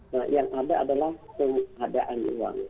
nah yang ada adalah pengadaan uang